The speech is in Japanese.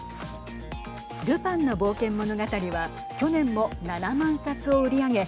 ルパンの冒険物語は去年も７万冊を売り上げ